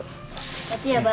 lihat ya bang